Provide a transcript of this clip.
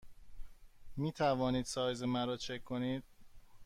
می توانید سایز مرا چک کنید؟